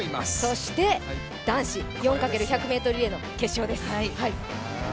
そして男子４×１００ｍリレーの決勝です。